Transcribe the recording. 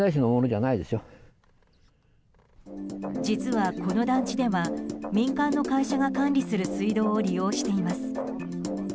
実は、この団地では民間の会社が管理する水道を利用しています。